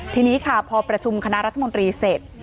ทีนี้ค่ะพอประชุมคณะรัฐมนตรีเสร็จ